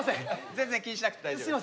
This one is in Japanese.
全然気にしなくて大丈夫です。